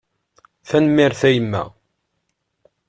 Tanemmirt a yemma.